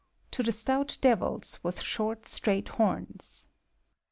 (To the stout Devils, with short, straight horns.)